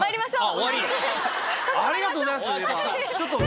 ありがとうございますちょっと。